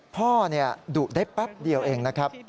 ดุได้แป๊บเดียวเองนะครับ